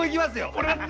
俺だって！